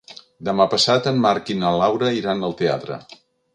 Demà passat en Marc i na Laura iran al teatre.